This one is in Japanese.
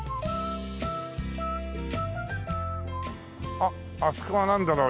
あっあそこはなんだろう？